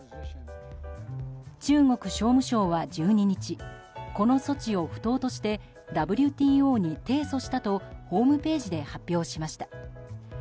中国商務省は１２日この措置を不当としてＷＴＯに提訴したとホームページで発表しました。